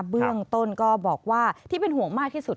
เบื้องต้นก็บอกว่าที่เป็นห่วงมากที่สุด